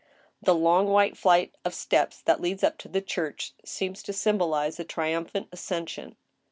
The long white flight of steps that leads up to the church seems to symbolize a triumphant ascension.